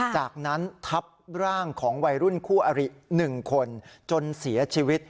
จากนั้นทับร่างของวัยรุ่นคู่อริ๑คนจนเสียชีวิต